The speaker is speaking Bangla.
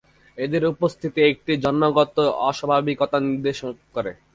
এদের উপস্থিতি একটি জন্মগত অস্বাভাবিকতা নির্দেশ করে।